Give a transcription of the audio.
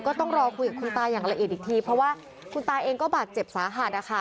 ก็ต้องรอคุยกับคุณตาอย่างละเอียดอีกทีเพราะว่าคุณตาเองก็บาดเจ็บสาหัสนะคะ